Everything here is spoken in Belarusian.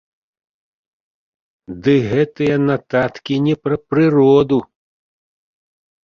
Ды гэтыя нататкі не пра прыроду.